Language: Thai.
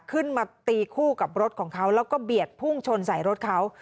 ขึ้นมาตีคู่กับรถของเขาแล้วก็เบียดพุ่งชนใส่รถเขา